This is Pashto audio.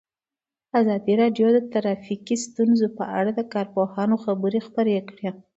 ازادي راډیو د ټرافیکي ستونزې په اړه د کارپوهانو خبرې خپرې کړي.